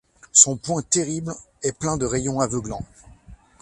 Son poing terrible et plein de rayons aveuglants